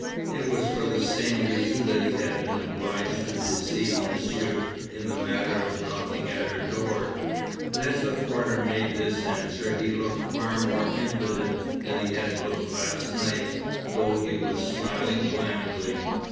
It was for the same reason that he had been obliged to deceive Monsieur in the matter of knocking at her door. And as the porter made this answer, he looked far more impudent than he had looked last night, though he was smiling blandly.